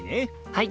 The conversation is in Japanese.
はい！